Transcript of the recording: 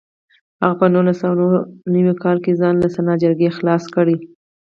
هغه په نولس سوه نوي کال کې ځان له سنا جرګې خلاص کړ.